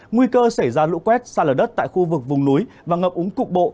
nguy cơ xảy ra lũ quét xa lở đất tại khu vực vùng núi và ngập úng cục bộ